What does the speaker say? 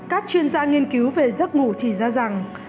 các chuyên gia nghiên cứu về giấc ngủ chỉ ra rằng